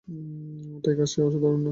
Tiger, সে অসাধারণ না?